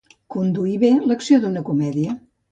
Conduir bé l'acció d'una comèdia.